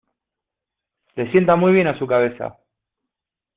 Le sienta muy bien a su cabeza.